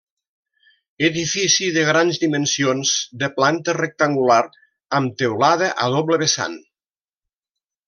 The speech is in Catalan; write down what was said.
Edifici de grans dimensions de planta rectangular amb teulada a doble vessant.